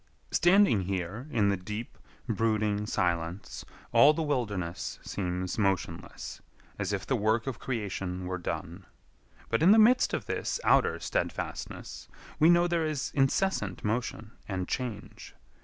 Standing here in the deep, brooding silence all the wilderness seems motionless, as if the work of creation were done. But in the midst of this outer steadfastness we know there is incessant motion and change.